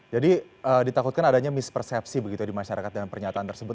jadi ditakutkan adanya mispersepsi begitu di masyarakat dengan pernyataan tersebut